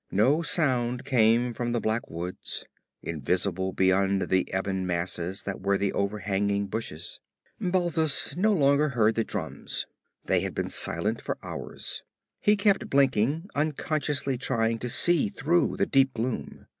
No sound came from the black woods, invisible beyond the ebony masses that were the overhanging bushes. Balthus no longer heard the drums. They had been silent for hours. He kept blinking, unconsciously trying to see through the deep gloom.